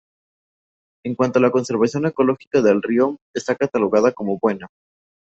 En cuanto a la conservación ecológica del río, está catalogada como buena.